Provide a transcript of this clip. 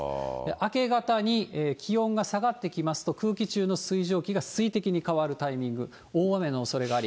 明け方に気温が下がってきますと、空気中の水蒸気が水滴に変わるタイミング、大雨のおそれがあり。